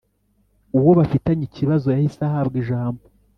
Uwo bafitanye ikibazo yahise ahabwa ijambo